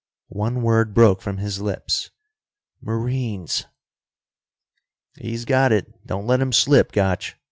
One word broke from his lips: "Marines!" "He's got it. Don't let him slip, Gotch."